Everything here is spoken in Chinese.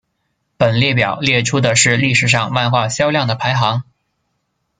本列表列出的是历史上漫画销量的排行。